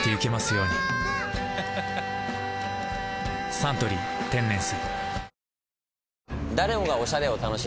「サントリー天然水」